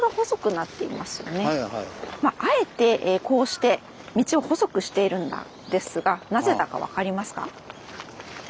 あえてこうして道を細くしているんですがなぜだか分かりますか？